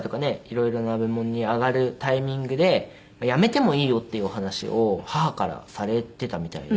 色々な部門に上がるタイミングでやめてもいいよっていうお話を母からされていたみたいで。